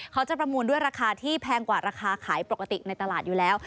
ประมูลด้วยราคาที่แพงกว่าราคาขายปกติในตลาดอยู่แล้ว